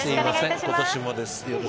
今年もです。